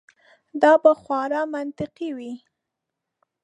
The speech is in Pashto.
دا به خورا منطقي وي.